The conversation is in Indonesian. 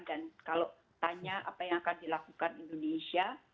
dan kalau tanya apa yang akan dilakukan indonesia